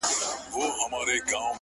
زه تر هغه گړيه روح ته پر سجده پرېوځم”